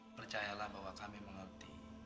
percayalah bahwa kami mengerti